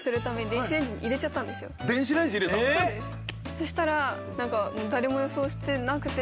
そしたら誰も予想してなくて。